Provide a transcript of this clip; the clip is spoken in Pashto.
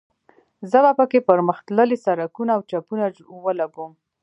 زه به په کې پرمختللي سرکټونه او چپونه ولګوم